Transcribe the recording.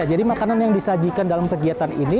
jadi makanan yang disajikan dalam kegiatan ini